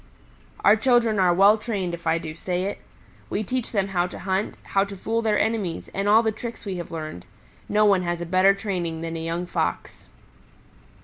"Our children are well trained if I do say it. We teach them how to hunt, how to fool their enemies, and all the tricks we have learned. No one has a better training than a young Fox."